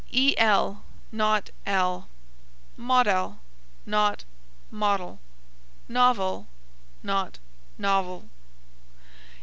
el, not l, model, not modl; novel, not novl.